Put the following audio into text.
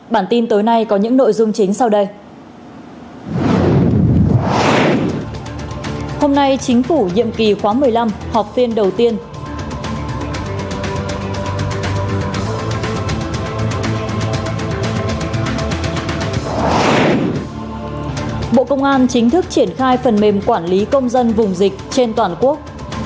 bộ công an chính thức triển khai phần mềm quản lý công dân vùng dịch trên toàn quốc